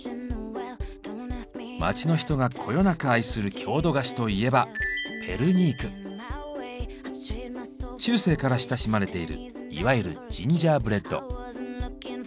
街の人がこよなく愛する郷土菓子といえば中世から親しまれているいわゆるジンジャーブレッド。